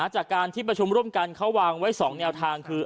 จากการที่ประชุมร่วมกันเขาวางไว้๒แนวทางคือ